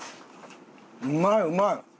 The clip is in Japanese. うまいうまい！